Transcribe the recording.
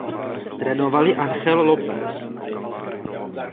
Trénoval ji Angel Lopez.